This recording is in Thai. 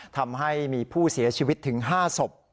ทำให้มีผู้เสียชีวิตถึง๕ศพ